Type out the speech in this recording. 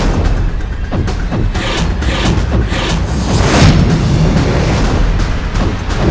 padahal kalau kutipan pregunt ihremu righteous